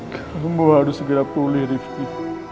tunggu harus segera pulih rifki